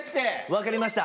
分かりました。